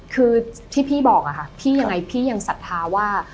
คือที่พี่บอกพี่ยังไงพี่ยังสัทธาว่า